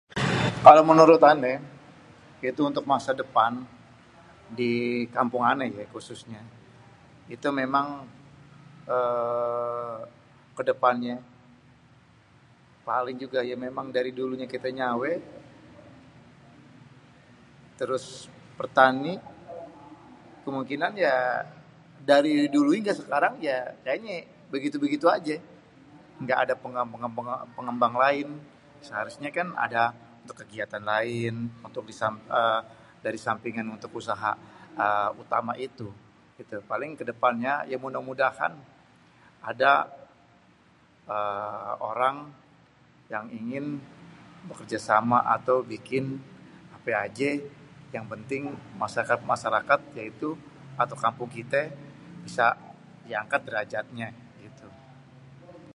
Kalo menurut ané, itu untuk masa depan di kampung ané yé khususnya itu memang èèè ke depannyé paling juga iya memang dari dulunya kita nyawé, terus pertani, kemungkinan ya dari dulu hingga sekarang ya kayaknyé begitu-begitu ajé, gak ada pengembang lain. Seharusnya kan ada untuk kegiatan lain èèè dari sampingan untuk usaha èèè utama itu. Paling ke depannya ya mudah-mudahan ada èèè orang yang ingin bekerja sama atau bikin apé ajé yang penting masyarakat-masyarakat yaitu, atau kampung kité, bisa diangkat derajatnya, gitu.